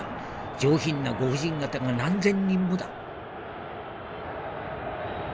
上品なご婦人方が何千人もだ』」。